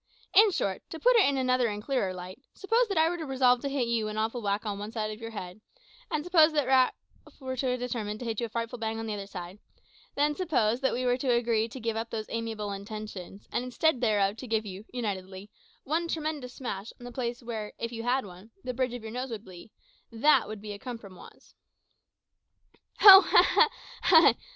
In short, to put it in another and a clearer light, suppose that I were to resolve to hit you an awful whack on one side of your head, and suppose that Ralph were to determine to hit you a frightful bang on the other side, then suppose that we were to agree to give up those amiable intentions, and instead thereof to give you, unitedly, one tremendous smash on the place where, if you had one, the bridge of your nose would be that would be a cumprumoise." "Ho! ha! ha!